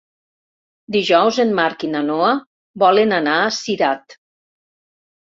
Dijous en Marc i na Noa volen anar a Cirat.